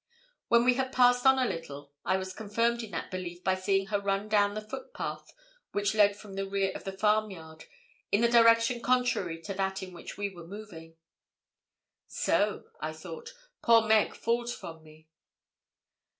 When we had passed on a little, I was confirmed in that belief by seeing her run down the footpath which led from the rear of the farm yard in the direction contrary to that in which we were moving. 'So,' I thought, 'poor Meg falls from me!'